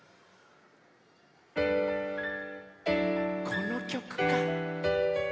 このきょくか！